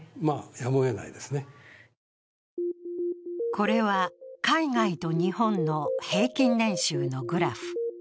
これは海外と日本の平均年収のグラフ。